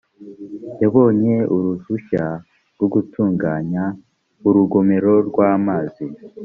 yabonye uruhushya rwo gutunganya urugomero rwa mazi